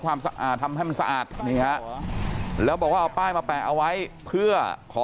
ความสะอาดทำให้มันสะอาดแล้วบอกว่าเอาป้ายมาแปะเอาไว้เพื่อขอ